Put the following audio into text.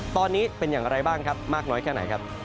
ตอนนี้เป็นอย่างไรบ้างครับมากน้อยแค่ไหนครับ